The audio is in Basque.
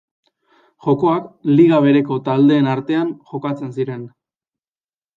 Jokoak liga bereko taldeen artean jokatzen ziren.